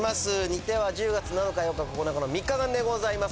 日程は１０月７日・８日・９日の３日間でございます。